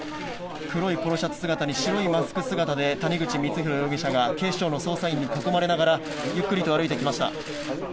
黒いポロシャツ姿に白いマスク姿で谷口光弘容疑者が警視庁の捜査員に囲まれながらゆっくりと歩いてきました。